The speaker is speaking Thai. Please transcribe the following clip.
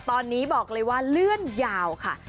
ตอนนี้บอกเลยว่าเลื่อนยาวค่ะ